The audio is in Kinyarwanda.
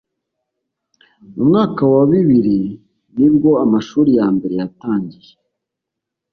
mu mwaka wa bibiri ni bwo amashuri ya mbere yatangiye: